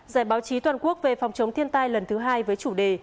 giải báo chí toàn quốc về phòng chống thiên tai lần thứ hai với chủ đề